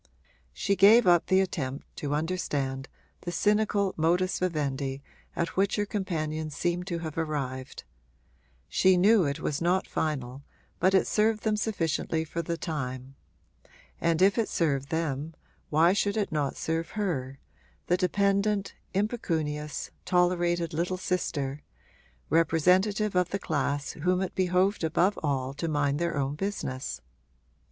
She gave up the attempt to understand the cynical modus vivendi at which her companions seemed to have arrived; she knew it was not final but it served them sufficiently for the time; and if it served them why should it not serve her, the dependent, impecunious, tolerated little sister, representative of the class whom it behoved above all to mind their own business?